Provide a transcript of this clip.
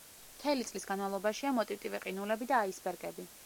მთელი წლის განმავლობაშია მოტივტივე ყინულები და აისბერგები.